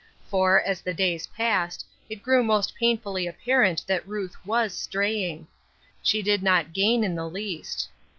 For, as the days passed, it grew most painfully apparent that Ruth was straying. She did not gain in the least.